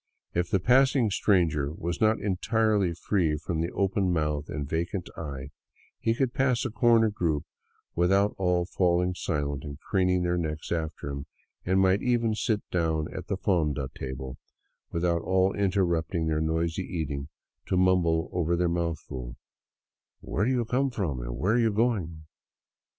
If the passing stranger was not entirely free from the open mouth and vacant eye, he could pass a corner group without all falling silent and craning their necks after him, and might even sit down at the fonda table without all interrupting their noisy eating to mumble over their mouthful, "Where do you come from and where are you going?"